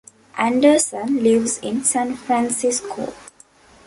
Anderson lives in San Francisco.